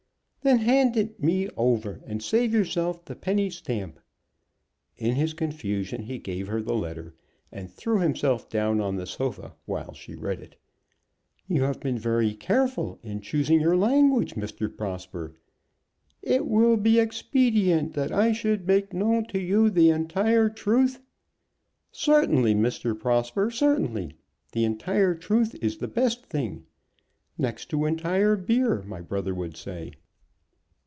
"Then hand it me over, and save yourself the penny stamp." In his confusion he gave her the letter, and threw himself down on the sofa while she read it. "You have been very careful in choosing your language, Mr. Prosper: 'It will be expedient that I should make known to you the entire truth.' Certainly, Mr. Prosper, certainly. The entire truth is the best thing, next to entire beer, my brother would say."